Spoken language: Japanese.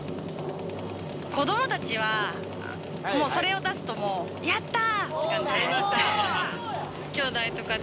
子どもたちは、もうそれを出すともう、やったーって感じで。